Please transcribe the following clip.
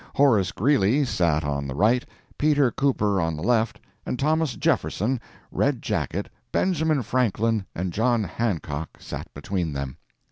Horace Greeley sat on the right, Peter Cooper on the left, and Thomas Jefferson, Red Jacket, Benjamin Franklin, and John Hancock sat between them.